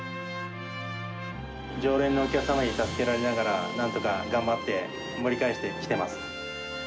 常連のお客様に助けられながら、なんとか頑張って、盛り返してきてます。